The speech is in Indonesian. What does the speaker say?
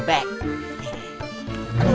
eh sini keluar